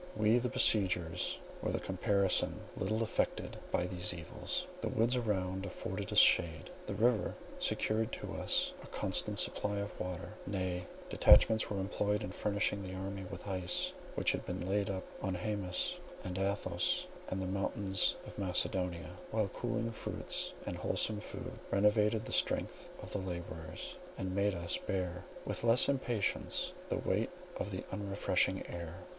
We the besiegers were in the comparison little affected by these evils. The woods around afforded us shade,—the river secured to us a constant supply of water; nay, detachments were employed in furnishing the army with ice, which had been laid up on Haemus, and Athos, and the mountains of Macedonia, while cooling fruits and wholesome food renovated the strength of the labourers, and made us bear with less impatience the weight of the unrefreshing air.